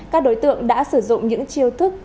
các đối tượng đã sử dụng những chiêu thức